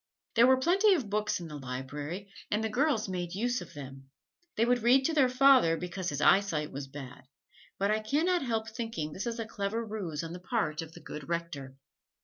There was plenty of books in the library, and the girls made use of them. They would read to their father "because his eyesight was bad," but I can not help thinking this a clever ruse on the part of the good Rector.